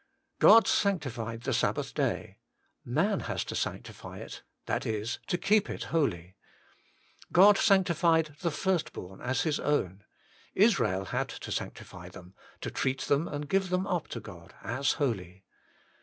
God sanctified the Sabbath day : man has to sanctify it, that is, to keep it holy. God sanctified the first born as His own : Israel had to sanctify them, to treat them and give them up to God as holy.